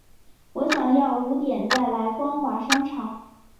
我想要五点再来光华商场